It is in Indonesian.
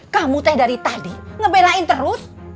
kamu teh dari tadi ngebelain terus